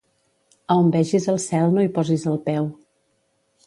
A on vegis el cel, no hi posis el peu.